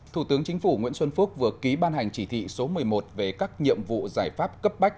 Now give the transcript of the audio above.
thủ tướng chính phủ nguyễn xuân phúc vừa ký ban hành chỉ thị số một mươi một về các nhiệm vụ giải pháp cấp bách